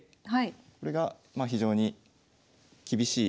これが非常に厳しい。